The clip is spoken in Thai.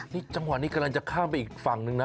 นี่จังหวะนี้กำลังจะข้ามไปอีกฝั่งนึงนะ